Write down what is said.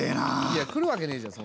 いや来るわけねえじゃん